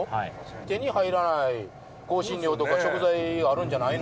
手に入らない香辛料とか食材、あるんじゃないの？